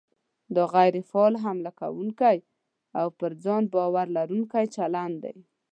دا غیر فعال، حمله کوونکی او پر ځان باور لرونکی چلند دی.